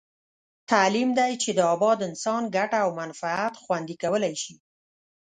تعلیم دی چې د اباد انسان ګټه او منفعت خوندي کولای شي.